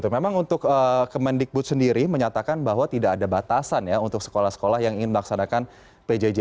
memang untuk kemendikbud sendiri menyatakan bahwa tidak ada batasan ya untuk sekolah sekolah yang ingin melaksanakan pjj